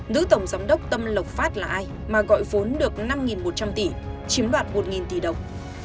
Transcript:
nữ tổng giám đốc tâm lộc phát là ai mà gọi vốn được năm một trăm linh tỷ chiếm đoạt một tỷ đồng